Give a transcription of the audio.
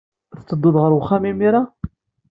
I tedduḍ ɣer wexxam imir-a?